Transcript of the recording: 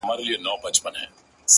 و خوږ زړگي ته مي ـ